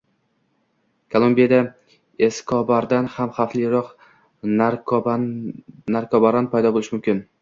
Kolumbiyada Eskobardan ham xavfliroq narkobaron paydo bo‘lishi mumkin